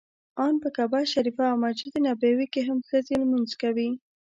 ان په کعبه شریفه او مسجد نبوي کې هم ښځې لمونځ کوي.